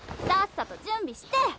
さっさと準備して！